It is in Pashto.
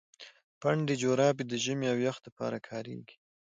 پنډي جراپي د ژمي او يخ د پاره کاريږي.